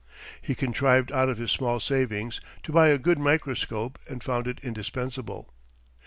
He contrived out of his small savings to buy a good microscope, and found it indispensable.